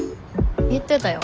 言ってたよ。